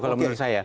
kalau menurut saya